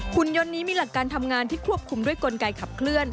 คุณยนต์นี้มีหลักการทำงานที่ควบคุมด้วยกลไกขับเคลื่อน